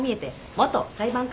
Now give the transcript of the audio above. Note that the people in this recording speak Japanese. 元裁判官？